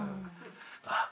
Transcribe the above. あっ。